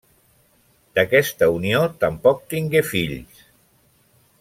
D'aquesta unió tampoc tingué fills.